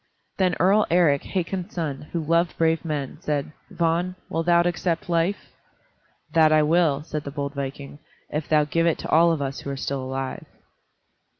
Then Earl Eric, Hakon's son, who loved brave men, said, "Vagn, wilt thou accept life?" "That I will," said the bold viking, "if thou give it to all of us who are still alive."